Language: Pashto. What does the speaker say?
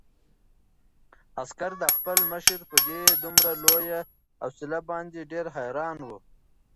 عسکر د خپل مشر په دې دومره لویه حوصله باندې ډېر حیران و.